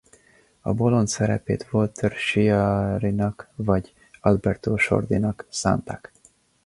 A Bolond szerepét Walter Chiarinak vagy Alberto Sordinak szánták.